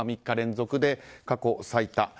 ３日連続で過去最多。